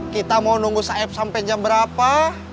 kita mau nunggu saeb sampe jam berapa